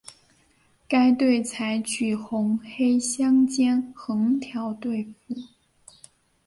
该队采用红黑相间横条队服。